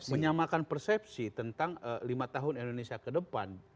menyamakan persepsi tentang lima tahun indonesia ke depan